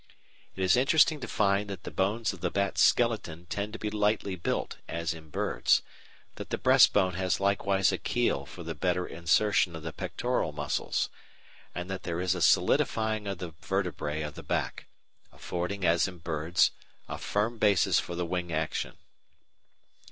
It is interesting to find that the bones of the bat's skeleton tend to be lightly built as in birds, that the breast bone has likewise a keel for the better insertion of the pectoral muscles, and that there is a solidifying of the vertebræ of the back, affording as in birds a firm basis for the wing action.